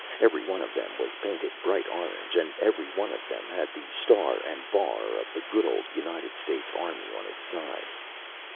Every one of them was painted bright orange, and every one of them had the star and bar of the good old United States Army on its side.